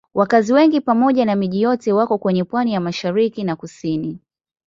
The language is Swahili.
Wakazi wengi pamoja na miji yote wako kwenye pwani ya mashariki na kusini.